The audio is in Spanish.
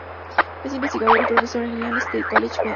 Es investigador y profesor en "Lyndon State College", Vermont.